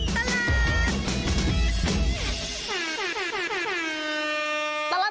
ชั่วตลอดตลาด